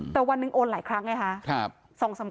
แต่วันหนึ่งโอนหลายครั้งไงคะ